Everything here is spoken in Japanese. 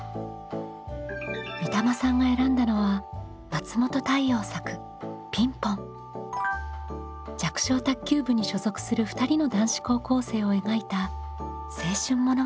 みたまさんが選んだのは弱小卓球部に所属する２人の男子高校生を描いた青春物語です。